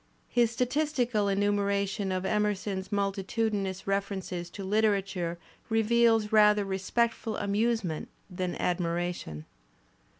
His statistical enumeration of Emerson's multitudinous references to hterature reveals rather respect ful amusement than admiration.